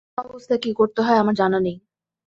এমন অবস্থায় কী করতে হয় আমার জানা নেই।